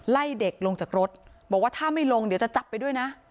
ไล่เด็กลงจากรถบอกว่าถ้าไม่ลงเดี๋ยวจะจับไปด้วยนะ